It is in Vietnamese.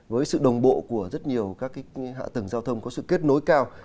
với sự đồng bộ của rất nhiều các hạ tầng giao thông có sự kết nối cao